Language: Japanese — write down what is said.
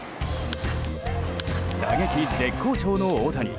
打撃絶好調の大谷。